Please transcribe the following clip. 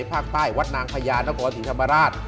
ภาคใต้วัดนางพญานครศรีธรรมราช